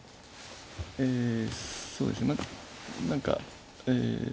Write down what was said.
そうですね何か。